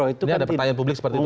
ini ada pertanyaan publik seperti itu